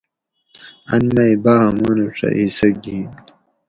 ان مئ باہ مانوڄہ حصہ گن